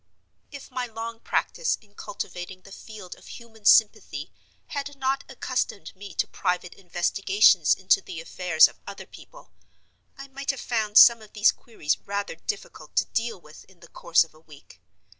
If my long practice in cultivating the field of human sympathy had not accustomed me to private investigations into the affairs of other people, I might have found some of these queries rather difficult to deal with in the course of a week.